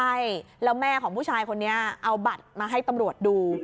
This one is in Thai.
ใช่แล้วแม่ของผู้ชายคนนี้เอาบัตรมาให้ตำรวจดู